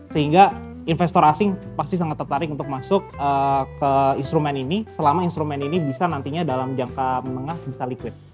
sehingga investor asing pasti sangat tertarik untuk masuk ke instrumen ini selama instrumen ini bisa nantinya dalam jangka menengah bisa liquid